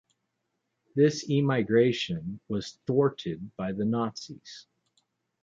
This emigration was thwarted by the Nazis.